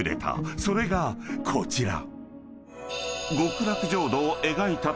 ［それがこちら］